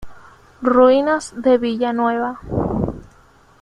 Ruinas de Villanueva.